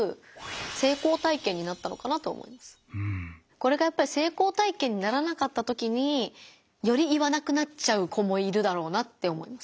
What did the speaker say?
これがやっぱり成功体験にならなかったときにより言わなくなっちゃう子もいるだろうなって思います。